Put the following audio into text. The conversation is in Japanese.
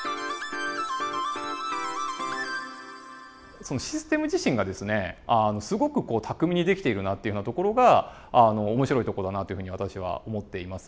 そのシステム自身がですねすごく巧みに出来ているなっていうようなところが面白いとこだなというふうに私は思っています。